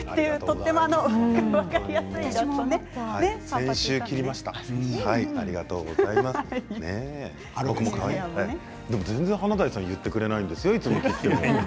でも全然、華大さんが言ってくれないんですよ。